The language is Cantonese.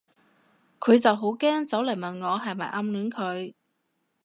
佢就好驚走嚟問我係咪暗戀佢